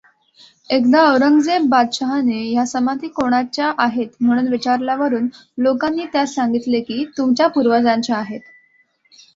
एकदांऔरंगजेबबादशहाने ह्या समाधी कोणाच्या आहेत म्हणून विचारल्यावरून लोकांनीं त्यास सांगितले कीं, तुमच्या पूर्वजांच्या आहेत.